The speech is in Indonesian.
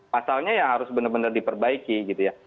pasalnya ya harus benar benar diperbaiki gitu ya